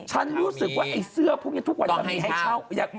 ฉันรู้สึกว่าไอ้เสื้อพวกนี้ทุกวันมันมีให้เช่า